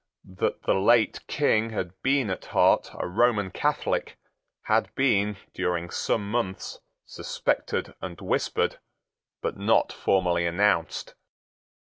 That the late King had been at heart a Roman Catholic had been, during some months, suspected and whispered, but not formally announced.